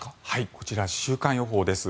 こちら、週間予報です。